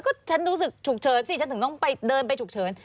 ก็ฉันรู้สึกฉุกเฉินสิฉันถึงต้องไปเดินไปฉุกเฉิน